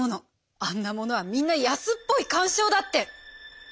「あんなものはみんな安っぽい感傷だって！」。